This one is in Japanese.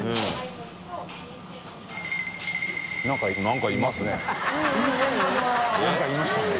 何かいましたね。